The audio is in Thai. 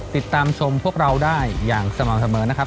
ติดตามชมพวกเราได้อย่างสม่ำเสมอนะครับ